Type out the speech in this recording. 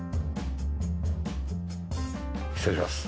失礼します。